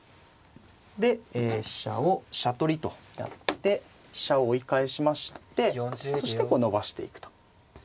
で飛車を飛車取りとやって飛車を追い返しましてそしてこう伸ばしていくと。